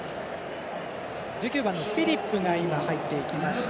１９番フィリップが入っていきました。